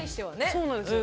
そうなんですよ。